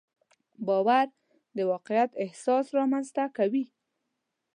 باور د واقعیت احساس رامنځته کوي.